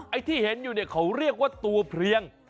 ไอ้ที่เห็นอยู่เนี่ยเขาเรียกว่าตัวเพลียง